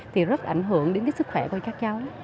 thì rất ảnh hưởng đến cái sức khỏe của các cháu